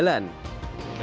tetap muka sudah berjalan